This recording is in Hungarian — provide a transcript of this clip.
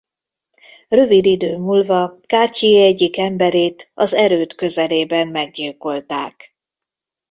Rövid idő múlva Cartier egyik emberét az erőd közelében meggyilkolták.